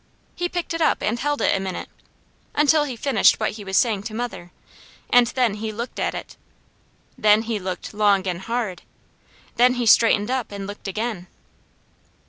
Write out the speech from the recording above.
He picked it up and held it a minute, until he finished what he was saying to mother, and then he looked at it. Then he looked long and hard. Then he straightened up and looked again.